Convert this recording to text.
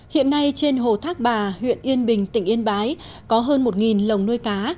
hiện nay trên hồ thác bà huyện yên bình tỉnh yên bái có hơn một lồng nuôi cá